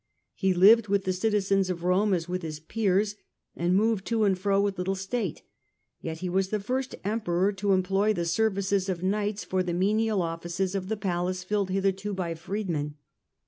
He lived with the citizens of Rome as with his peers, and moved to and fro with little state ; yet he was the first Emperor to employ the ser vices of knights for the menial offices of the palace filled hitherto by freedmen.